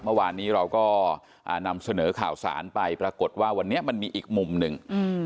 เมื่อวานนี้เราก็นำเสนอข่าวสารไปปรากฏว่าวันนี้มันมีอีกมุมหนึ่ง